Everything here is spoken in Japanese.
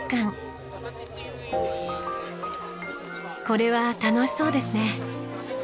これは楽しそうですね。